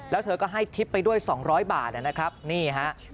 แล้วเธอก็ให้ทิปไปด้วยสองร้อยบาทนะครับนี่ฮะ